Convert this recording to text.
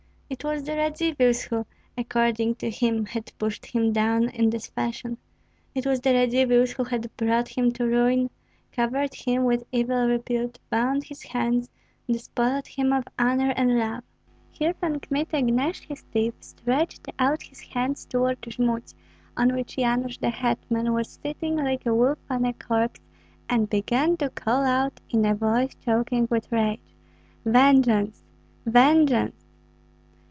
It was the Radzivills who (according to him) had pushed him down in this fashion; it was the Radzivills who had brought him to ruin, covered him with evil repute, bound his hands, despoiled him of honor and love. Here Pan Kmita gnashed his teeth, stretched out his hands toward Jmud, on which Yanush, the hetman, was sitting like a wolf on a corpse, and began to call out in a voice choking with rage, "Vengeance! Vengeance!"